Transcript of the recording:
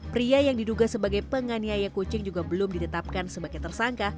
pria yang diduga sebagai penganiaya kucing juga belum ditetapkan sebagai tersangka